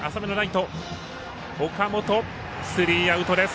スリーアウトです。